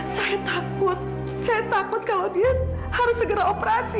saya takut saya takut kalau dia harus segera operasi